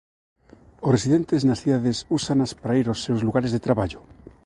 Os residentes nas cidades úsanas para ir aos seus lugares de traballo.